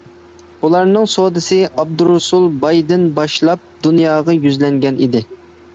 بۇلارنىڭ سودىسى ئابدۇرۇسۇل بايدىن باشلاپ دۇنياغا يۈزلەنگەن ئىدى.